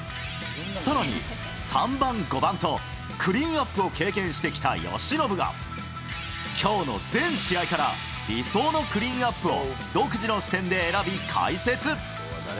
さらに３番、５番と、クリーンアップを経験してきた由伸が、きょうの全試合から理想のクリーンアップを独自の視点で選び、解説。